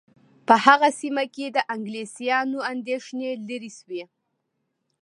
په هغه سیمه کې د انګلیسیانو اندېښنې لیرې شوې.